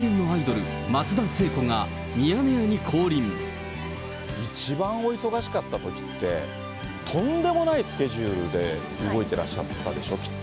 永遠のアイドル、松田聖子が、一番お忙しかったときって、とんでもないスケジュールで動いてらっしゃったでしょ、きっと。